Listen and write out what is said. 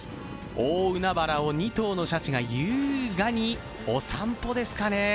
大海原を２頭のシャチが優雅にお散歩ですかね。